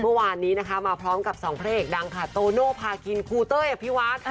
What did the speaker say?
เมื่อวานนี้นะคะมาพร้อมกับสองเพลกดังค่ะโตโนภากินครูเต้อยักษ์พี่วัสดิ์